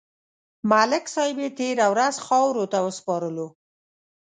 ملک صاحب یې تېره ورځ خاورو ته وسپارلو.